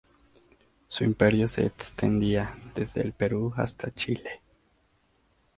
Su imperio se extendía desde el Perú hasta Chile.